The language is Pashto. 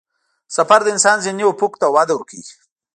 سفر د انسان ذهني افق ته وده ورکوي.